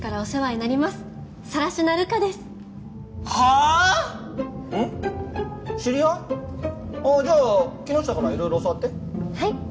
あぁじゃあ木ノ下からいろいろ教わってはい！